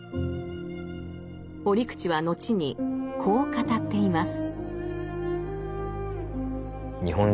折口は後にこう語っています。